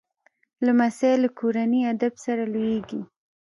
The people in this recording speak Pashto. لمسی له کورني ادب سره لویېږي